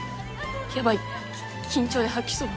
ヤバい緊張で吐きそう。